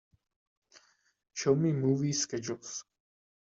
Show me movie schedules